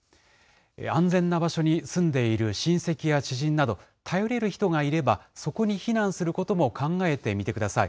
安全な場所に住んでいる親戚や知人など、頼れる人がいれば、そこに避難することも考えてみてください。